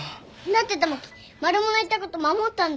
だって友樹マルモの言ったこと守ったんだよ。